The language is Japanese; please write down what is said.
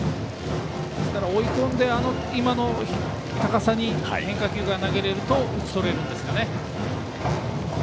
ですから、追い込んで今の高さに変化球が投げれると打ち取れるんですね。